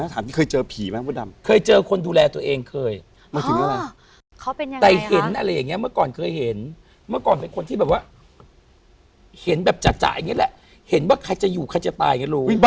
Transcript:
จะถามที่เคยเจอผีมั้ยคนดำอีกเคยเจอคนดูแลตัวเองเคยเห็นแบบอังคัน